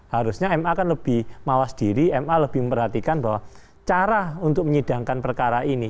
harusnya ma kan lebih mawas diri ma lebih memperhatikan bahwa cara untuk menyidangkan perkara ini